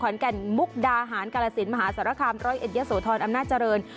ขอนแก่นมุกดาหารกาลสินมหาศาลคามรอยเอดียสโทรนอำนาจริง